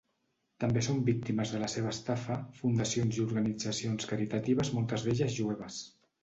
També són víctimes de la seva estafa fundacions i organitzacions caritatives moltes d'elles jueves.